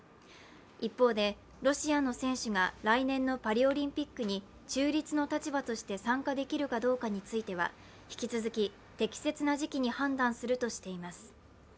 一方で、ロシアの選手が来年のパリオリンピックに中立の立場として参加できるかどうかについては引き続き適切な時期に判断するとしています。